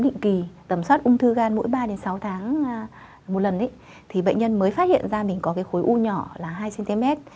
khi mà bệnh nhân bị viêm gan b tầm soát ung thư gan mỗi ba sáu tháng một lần thì bệnh nhân mới phát hiện ra mình có khối u nhỏ là hai cm